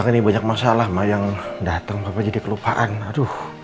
mau tanya dia siapa tau andien bisa ikut